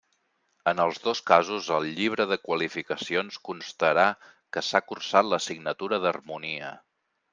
En els dos casos al llibre de qualificacions constarà que s'ha cursat l'assignatura d'harmonia.